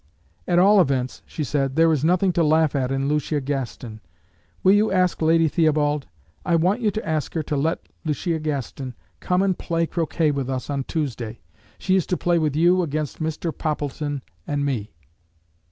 "At all events," she said, "there is nothing to laugh at in Lucia Gaston. Will you ask Lady Theobald? I want you to ask her to let Lucia Gaston come and play croquet with us on Tuesday. She is to play with you against Mr. Poppleton and me."